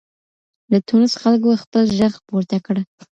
د ټونس خلګو خپل ږغ پورته کړ.